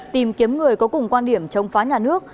tìm kiếm người có cùng quan điểm chống phá nhà nước